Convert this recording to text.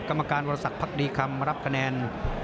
กรรมการวรสักพักดีคำรับคะแนน